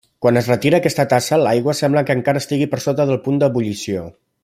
Quan es retira aquesta tassa l’aigua sembla que encara estigui per sota del punt d’ebullició.